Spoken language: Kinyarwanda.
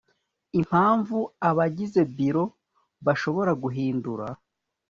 impamvu abagize biro bashobora guhindura